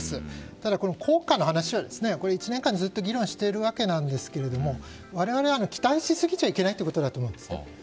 ただ効果の話は１年間ずっと議論しているわけですが我々は期待しすぎちゃいけないということだと思います。